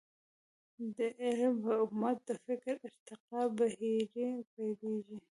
د علم په مټ د فکري ارتقاء بهير پيلېږي.